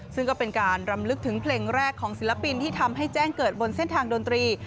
ซึ่งก็เป็นการรำลึกถึงเพลงแรกของศิลปินที่ทำให้แจ้งเกิดบนเส้นทางดนตรี